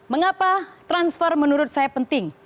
mengapa transfer menurut saya penting